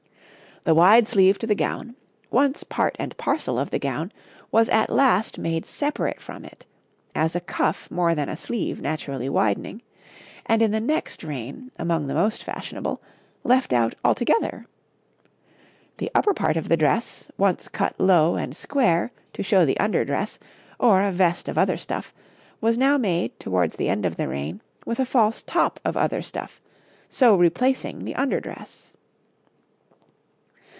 The wide sleeve to the gown, once part and parcel of the gown, was at last made separate from it as a cuff more than a sleeve naturally widening and in the next reign, among the most fashionable, left out altogether. The upper part of the dress, once cut low and square to show the under dress, or a vest of other stuff, was now made, towards the end of the reign, with a false top of other stuff, so replacing the under dress.